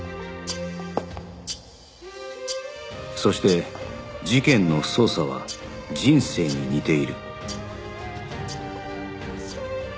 そして事件の捜査は人生に似ている